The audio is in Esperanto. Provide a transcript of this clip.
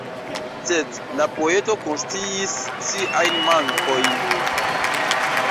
Sed la poeto konsciis siajn mankojn.